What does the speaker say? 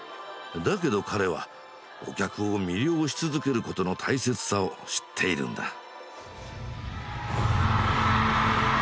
だけど彼はお客を魅了し続けることの大切さを知っているんだ！